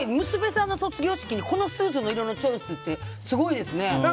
娘さんが卒業式にこのスーツの色のチョイスってすごいですね。